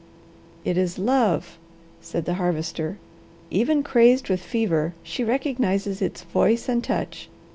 "It is love," said the Harvester. "Even crazed with fever, she recognizes its voice and touch.